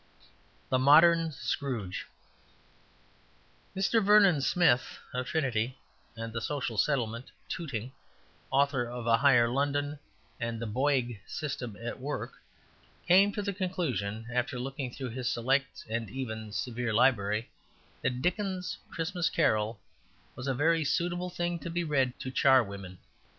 The Modern Scrooge Mr. Vernon Smith, of Trinity, and the Social Settlement, Tooting, author of "A Higher London" and "The Boyg System at Work," came to the conclusion, after looking through his select and even severe library, that Dickens's "Christmas Carol" was a very suitable thing to be read to charwomen.